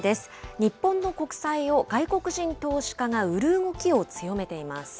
日本の国債を外国人投資家が売る動きを強めています。